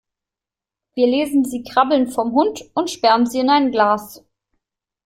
Wir lesen sie krabbelnd vom Hund und sperren sie in ein Glas.